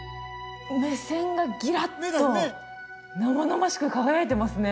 目線がギラッと生々しく輝いてますね